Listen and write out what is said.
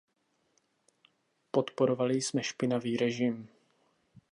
Podporovali jsme špinavý režim.